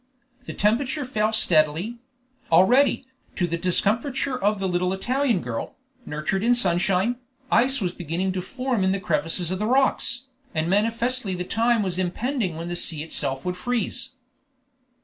The temperature fell steadily; already, to the discomfiture of the little Italian girl, nurtured in sunshine, ice was beginning to form in the crevices of the rocks, and manifestly the time was impending when the sea itself would freeze.